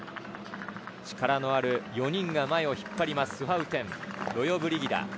力のある４人が前を引っ張ります、スハウテン、ロヨブリギダ。